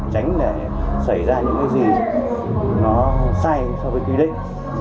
tránh để xảy ra những cái gì nó sai so với quy định